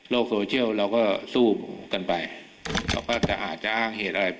โลกโซเชียลเราก็สู้กันไปอาจจะอ้างเหตุอะไร